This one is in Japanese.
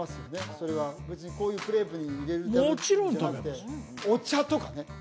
それは別にこういうクレープに入れるためもちろん食べますお茶とかね